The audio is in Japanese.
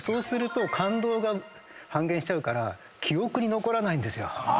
感動が半減しちゃうから記憶に残らないんですよ。